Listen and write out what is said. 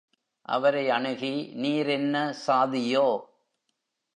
அவரை அணுகி நீர் என்ன சாதியோ?